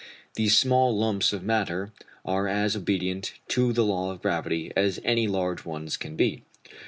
These small lumps of matter are as obedient to the law of gravity as any large ones can be.